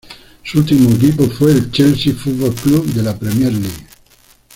Su último equipo fue el Chelsea F. C. de la Premier League.